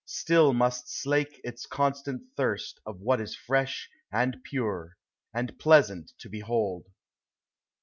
— still must slake Its constant thirst of what is fresh and pirn?, And pleasant to behold.